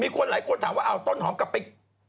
คนหลายคนถามว่าเอาต้นหอมกลับไป